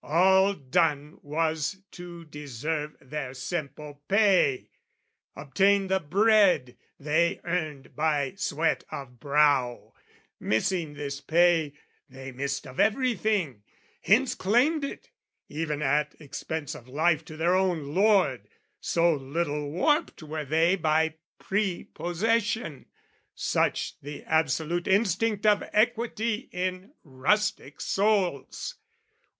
All done was to deserve their simple pay, Obtain the bread they earned by sweat of brow: Missing this pay, they missed of everything Hence claimed it, even at expense of life To their own lord, so little warped were they By prepossession, such the absolute Instinct of equity in rustic souls!